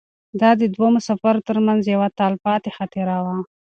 دا د دوو مسافرو تر منځ یوه تلپاتې خاطره وه.